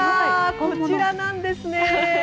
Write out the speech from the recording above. こちらなんですね。